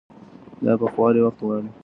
دا پخوالی وخت غواړي.